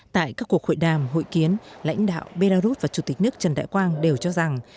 tại các cuộc hội đàm hội kiến lãnh đạo belarus và chủ tịch nước trần đại quang đều cho rằng